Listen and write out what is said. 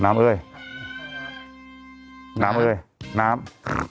เอ้ยน้ำเอ้ยน้ำ